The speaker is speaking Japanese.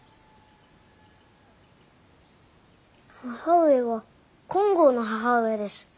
母上は金剛の母上です。